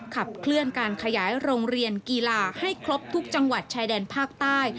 ขับเคลื่อนการขยายโรงเรียนกีฬาให้ครบทุกจังหวัดชายแดนภาคใต้